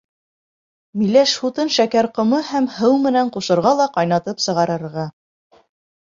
Миләш һутын шәкәр ҡомо һәм һыу менән ҡушырға ла ҡайнатып сығарырға.